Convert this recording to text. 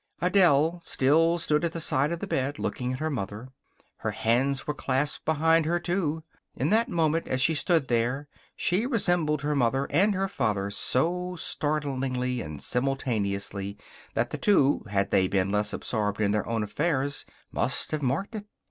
Adele still stood at the side of the bed, looking at her mother. Her hands were clasped behind her, too. In that moment, as she stood there, she resembled her mother and her father so startlingly and simultaneously that the two, had they been less absorbed in their own affairs, must have marked it.